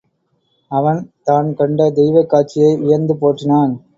அவன் தான் கண்ட தெய்வக் காட்சியை வியந்து போற்றினான்.